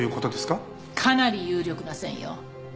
かなり有力な線よ。